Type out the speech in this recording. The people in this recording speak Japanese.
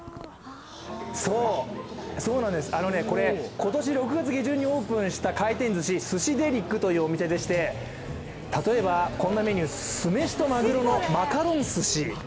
そうなんです、今年６月下旬にオープンした回転ずしＳＵＳＨＩＤＥＬＩＣというお店でして例えば、こんなメニュー酢飯とまぐろのマカロン寿司。